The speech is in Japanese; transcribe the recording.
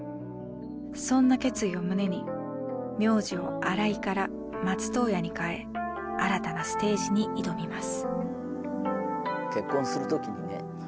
そんな決意を胸に名字を「荒井」から「松任谷」に変え新たなステージに挑みます。